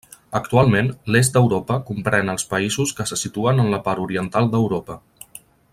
Actualment, l'est d'Europa comprèn els països que se situen en la part oriental d'Europa.